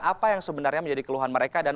apa yang sebenarnya menjadi keluhan mereka di sini